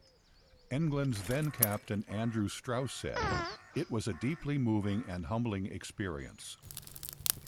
England's then captain Andrew Strauss said: "It was a deeply moving and humbling experience".